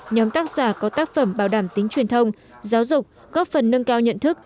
nhóm tác giả có tác phẩm bảo đảm tính truyền thông giáo dục góp phần nâng cao nhận thức